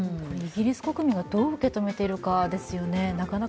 イギリス国民はどう受け止めているかですよね。